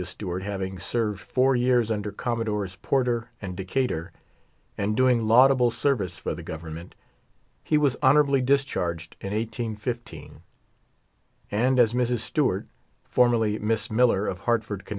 Stewart, having served four years under Commodores Porter and Decatur, and doing laudable service for the Government, he was honorably discharged in 1815 ; and as Mrs. Stewart (formerly Miss Miller, of Hartford, Conn.